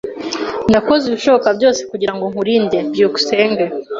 Nakoze ibishoboka byose kugirango nkurinde. byukusenge